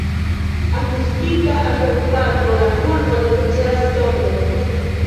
Akustika akompano de fulmo nomiĝas tondro.